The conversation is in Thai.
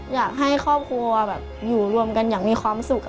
อยากให้ครอบครัวแบบอยู่รวมกันอย่างมีความสุข